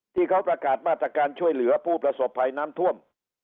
ที่เขาประกาศมาตรการช่วยเหลือผู้ประสบภัยน้ำท่วม